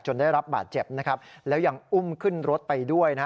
จนได้รับบาดเจ็บแล้วยังอุ้มขึ้นรถไปด้วย